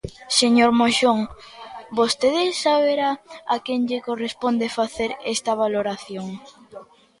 Señor Moxón, vostede saberá a quen lle corresponde facer esta valoración.